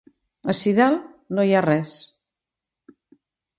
Ací dalt no hi ha res.